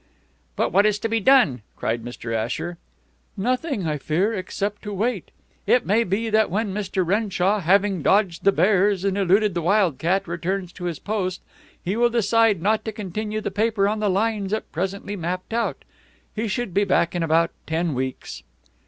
'" "But what is to be done?" cried Mr. Asher. "Nothing, I fear, except to wait. It may be that when Mr. Renshaw, having dodged the bears and eluded the wildcat, returns to his post, he will decide not to continue the paper on the lines at present mapped out. He should be back in about ten weeks."